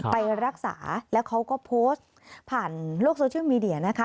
ไปรักษาแล้วเขาก็โพสต์ผ่านโลกโซเชียลมีเดียนะคะ